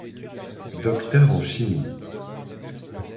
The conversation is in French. Docteur en chimie.